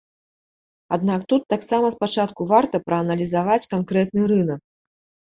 Аднак тут таксама спачатку варта прааналізаваць канкрэтны рынак.